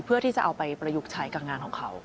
เพื่อที่จะเอาไปประยุกต์ใช้กับงานของเขา